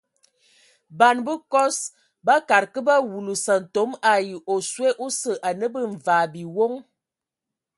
Ban bəkɔs bakad kə ba wulu sƐntome ai oswe osə anə bə mvaa biwoŋ.